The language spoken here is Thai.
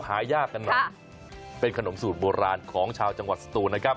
หายากกันหน่อยครับเป็นขนมสูตรโบราณของชาวจังหวัดสตู